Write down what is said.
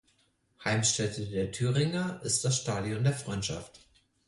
Heimstätte der Thüringer ist das "Stadion der Freundschaft".